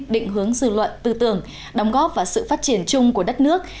định hướng dư luận tư tưởng đóng góp và sự phát triển chung của đất nước